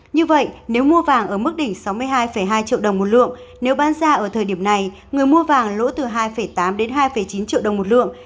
như vậy nếu mua vàng ở mức đỉnh sáu mươi hai hai triệu đồng một lượng nếu bán ra ở thời điểm này người mua vàng lỗ từ hai tám hai chín triệu đồng một lượng